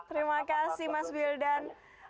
terima kasih mas wildan